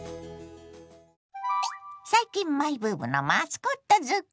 最近マイブームのマスコットづくり。